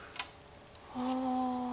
ああ。